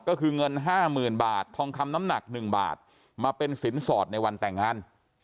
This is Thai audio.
ก็คือเงิน๕๐๐๐บาททองคำน้ำหนัก๑บาทมาเป็นสินสอดในวันแต่งงาน